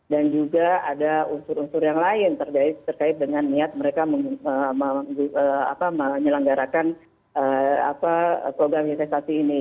dan juga ada unsur unsur yang lain terkait dengan niat mereka menyelenggarakan program investasi ini